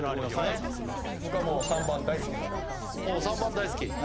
はい僕はもう３番大好きですから３番大好き？